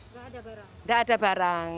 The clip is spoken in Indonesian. nggak ada barang